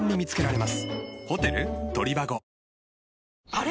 あれ？